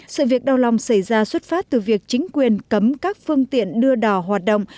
sự việc đau lòng xảy ra xuất phát từ việc chính quyền cấm các phương tiện đưa đỏ hoạt động